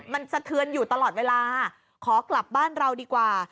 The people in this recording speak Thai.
มันสะเทือนอยู่ตลอดเวลาขอกลับบ้านเราดีกว่า